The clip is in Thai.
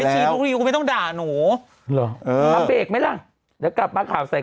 เกรงข้อสอบเกรงข้อสอบเกรงข้อสอบเกรงข้อสอบ